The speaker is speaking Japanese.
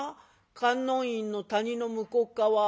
「観音院の谷の向こうっ側」。